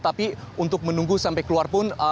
tapi untuk menunggu sampai keluar pun